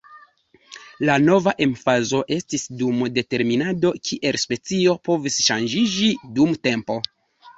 La nova emfazo estis dum determinado kiel specio povis ŝanĝiĝi dum tempo.